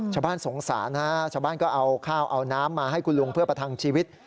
ชาวบ้านสงสารฮะชาวบ้านก็เอาข้าวเอาน้ำมาให้คุณลุงเพื่อประทังชีวิต